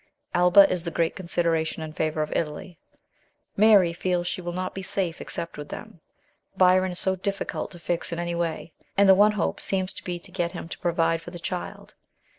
Alba is the great considera tion in favour of Italy, Mary feels she will not be safe except with them ; Byron is so difficult to fix in any way, and the one hope seems to be to get him to provide for the child.